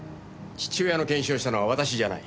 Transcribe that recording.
父親の検視をしたのは私じゃない。